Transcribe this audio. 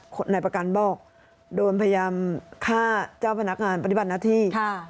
นายประกันบอกโดนพยายามฆ่าเจ้าพนักงานปฏิบัติหน้าที่